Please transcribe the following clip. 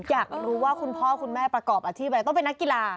อยากรู้ว่าคุณพ่อคุณแม่ประกอบอาชีพอะไรต้องเป็นนักกีฬา